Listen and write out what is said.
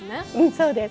そうです。